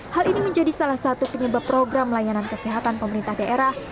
hal ini menjadi salah satu penyebab program layanan kesehatan pemerintah daerah